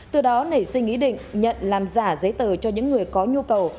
từ đó nảy sinh ý định nhận làm giả giấy tờ cho những người có nhu cầu